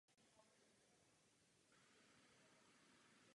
Květy jsou zelenavé a nenápadné.